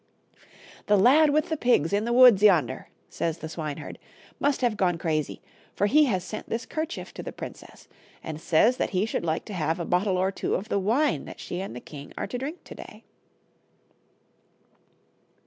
"The lad with the pigs in the woods yonder," says the swineherd, " must have gone crazy, for he has sent this kerchief to the princess and says that he should like to have a bottle or two of the wine that she and the king are to drink to day."